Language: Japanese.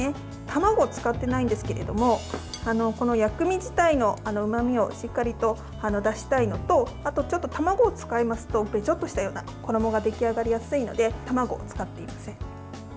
卵を使っていないんですけれど薬味自体のうまみをしっかりと出したいのとあとは卵を使いますとベチョッとした衣が出来上がりやすいので卵を使っていません。